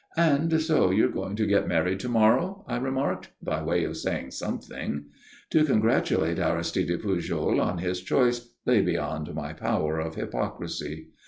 "And so you're going to get married to morrow?" I remarked, by way of saying something. To congratulate Aristide Pujol on his choice lay beyond my power of hypocrisy.